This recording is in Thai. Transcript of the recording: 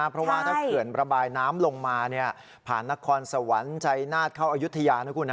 เพราะว่าถ้าเขื่อนระบายน้ำลงมาผ่านนครสวรรค์ชัยนาฏเข้าอายุทยานะคุณ